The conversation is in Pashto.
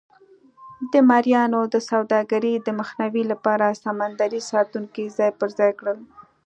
د مریانو د سوداګرۍ د مخنیوي لپاره سمندري ساتونکي ځای پر ځای کړل.